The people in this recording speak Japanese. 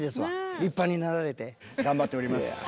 立派になられて。頑張っております。